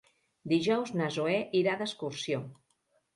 Dijous na Zoè irà d'excursió.